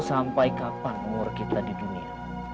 sampai kapan umur kita di dunia